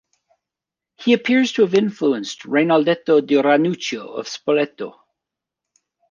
He appears to have influenced Rainaldetto di Ranuccio of Spoleto.